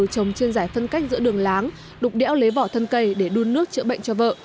trồng trên giải phân cách giữa đường láng đục đẽo lấy bỏ thân cây để đun nước chữa bệnh cho vợ